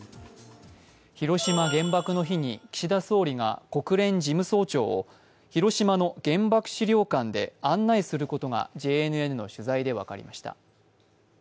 広島原爆の日に岸田総理が国連事務総長を広島の原爆資料館で案内することがＪＮＮの取材で分かりました。